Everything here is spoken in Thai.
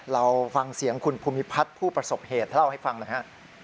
เราฟังเสียงคุณภูมิพัฒน์ผู้ประสบเหตุเล่าให้ฟังหน่อยฮะ